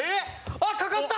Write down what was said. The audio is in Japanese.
あっかかった！